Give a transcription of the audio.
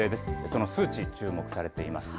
その数値、注目されています。